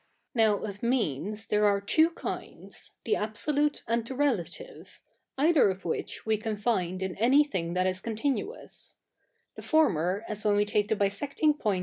Now of means the?'e are two kinds, the absolute CH. i] THE NEW REPUBLIC 119 and the relative^ eithei' of which we can find i7i anything that is continuous ; the forme?', as 7vhen ive take the bisect ing point i?